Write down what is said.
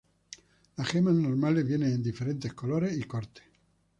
Las gemas normales vienen en diferentes colores y cortes.